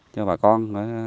cho bà con